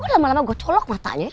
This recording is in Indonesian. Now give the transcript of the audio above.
kok lama lama gua colok matanya